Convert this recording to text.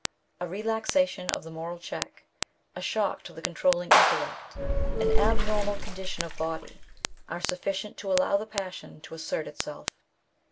A relaxation of the moral check, a shock to the controlling intellect, an abnormal condition of body, are sufficient to allow the passion to assert itself.